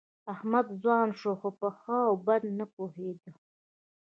احمد ځوان شو، خو په ښه او بد نه پوهېده.